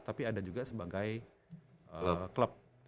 tapi ada juga sebagai klub